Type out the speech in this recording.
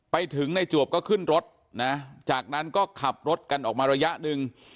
ไปถึงในจวบก็ขึ้นรถนะจากนั้นก็ขับรถกันออกมาระยะหนึ่ง